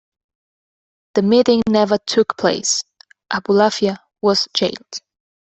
The meeting never took place; Abulafia was jailed.